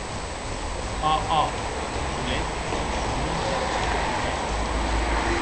Òc, òc, solet son ombres de croquets.